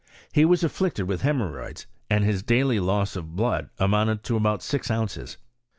He was afflicted with hemorrhoids, and his daily loss of blood amounted to about six ounces.